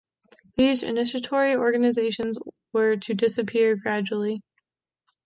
These initiatory organizations were to disappear gradually.